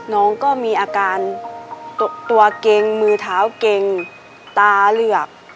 น้องก็มีอาการตัวเก่งมือเท้าเก่งตาเหลือก